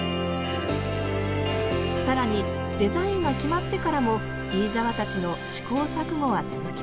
更にデザインが決まってからも飯沢たちの試行錯誤は続きます